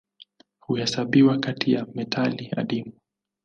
Huhesabiwa kati ya metali adimu.